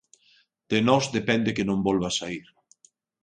"De nós depende que non volva saír".